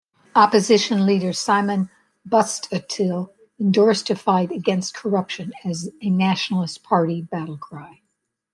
Opposition Leader Simon Busuttil endorsed a fight against corruption as a Nationalist Party battlecry.